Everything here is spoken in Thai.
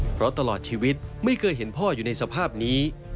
เพราะตลอดชีวิตไม่เคยเห็นพ่ออยู่ในสภาพนี้